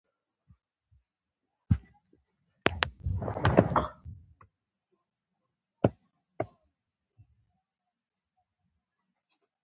نورو خلکو هم په محصولاتو کې برخه درلوده.